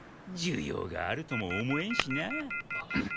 需要があるとも思えんしなぁ。